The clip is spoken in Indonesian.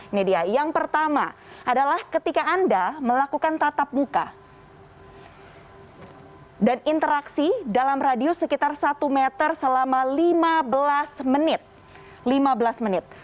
ini dia yang pertama adalah ketika anda melakukan tatap muka dan interaksi dalam radius sekitar satu meter selama lima belas menit lima belas menit